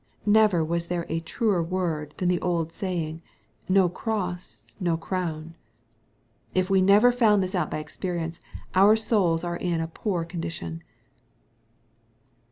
Never was there a truer word than the old saying, " No cross, no crown 1" If we never found this out by experience, our souls are in a poor condition.